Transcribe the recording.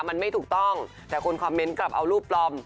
มันไม่ถูกต้องแต่คนคอมเมนต์กลับเอารูปปลอม